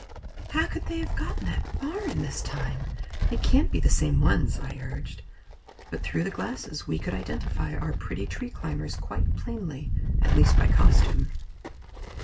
"How could they have got that far in this time? It can't be the same ones," I urged. But through the glasses we could identify our pretty tree climbers quite plainly, at least by costume.